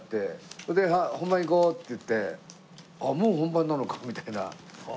それで「はい本番いこう」って言ってあっもう本番なのかみたいな。